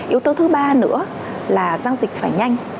yếu tố thứ ba nữa là giao dịch phải nhanh